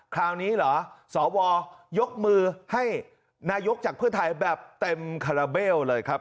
คราวนี้เหรอสวยกมือให้นายกจากเพื่อไทยแบบเต็มคาราเบลเลยครับ